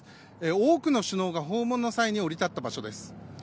多くの首脳が訪問の際に降り立った場所です。